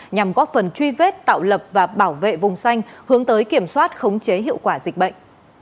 nhằm góp phần truy vết tạo lập và bảo vệ vùng xanh hướng tới kiểm soát khống chế hiệu quả dịch bệnh